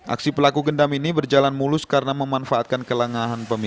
aksi pelaku gendam ini berjalan mulus karena memanfaatkan kelangahan pemimpin